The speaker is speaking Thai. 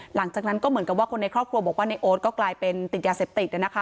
หลังจากนั้นก็เหมือนกับว่าคนในครอบครัวบอกว่าในโอ๊ตก็กลายเป็นติดยาเสพติด